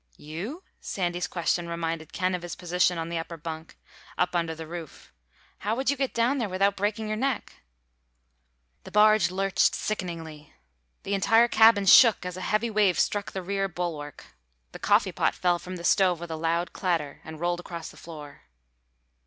"You?" Sandy's question reminded Ken of his position on the upper bunk, up under the roof. "How would you get down there without breaking your neck?" The barge lurched sickeningly. The entire cabin shook as a heavy wave struck the rear bulwark. The coffeepot fell from the stove with a loud clatter and rolled across the floor.